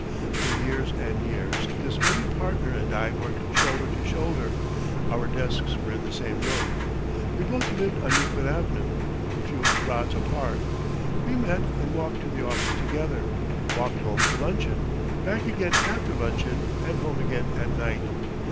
For years and years this early partner and I worked shoulder to shoulder; our desks were in the same room. We both lived on Euclid Avenue, a few rods apart. We met and walked to the office together, walked home to luncheon, back again after luncheon, and home again at night.